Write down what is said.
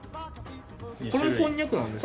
これもこんにゃくなんですか？